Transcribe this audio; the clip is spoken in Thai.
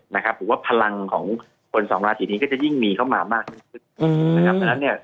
หรือว่าพลังของคนสองราศีนี้ก็จะยิ่งมีเข้ามามากที่สุด